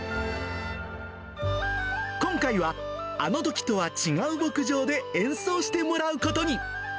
今回はあのときとは違う牧場で演奏してもらうことに。